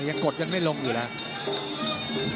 ยังกดยังไม่ลงอยู่แล้ว